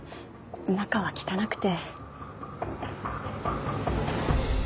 中は汚くて。